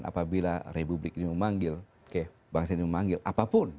tidak pernah republik ini memanggil bangsa ini memanggil apapun